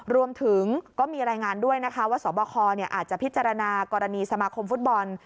รวมถึงก็มีรายงานด้วยนะคะว่าสบคอาจจะพิจารณากรณีสมาคมฟุตบอล